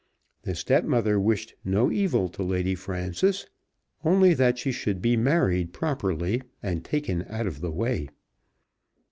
The stepmother wished no evil to Lady Frances, only that she should be married properly and taken out of the way.